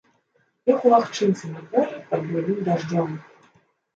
Лёг у лагчынцы на полі, пад буйным дажджом.